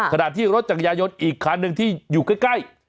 ขณะที่รถจักรยายนอีกคันหนึ่งที่อยู่ใกล้